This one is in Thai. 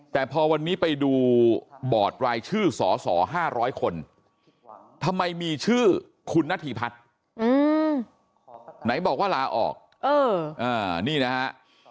แต่พอวันนี้ไปดูบอร์ดรายชื่อสส๕๐๐คนทำไมมีชื่อคุณนาธิพัฒน์ไหนบอกว่าลาออกนี่นะฮะ